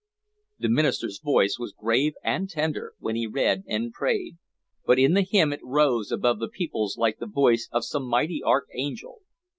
The minister's voice was grave and tender when he read and prayed, but in the hymn it rose above the people's like the voice of some mighty archangel.